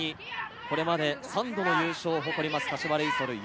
これまで３度の優勝を誇ります柏レイソルＵ